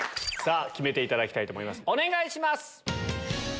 決めていただきたいと思いますお願いします。